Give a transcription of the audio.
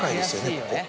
ここ。